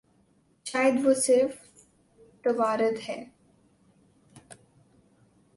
شاید وہ صرف توارد ہے۔